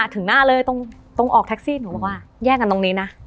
ถึงหน้าเลยตรงออกแท็กซี่หนูบอกว่าแยกกันตรงนี้นะ